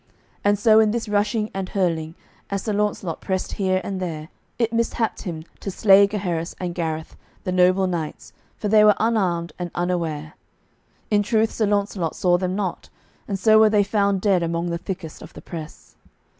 And so in this rushing and hurling, as Sir Launcelot pressed here and there, it mishapped him to slay Gaheris and Gareth, the noble knights, for they were unarmed and unaware. In truth Sir Launcelot saw them not, and so were they found dead among the thickest of the press.